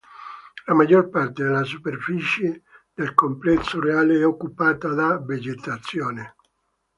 La maggior parte della superficie del Complesso reale è occupata da vegetazione.